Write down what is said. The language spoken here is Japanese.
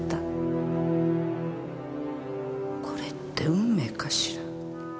これって運命かしら。